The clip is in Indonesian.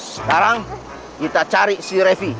sekarang kita cari si revie